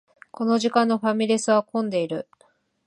この時間のファミレスは混んでいる